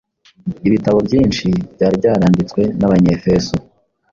Ibitabo byinshi byari byaranditswe n’abanyefeso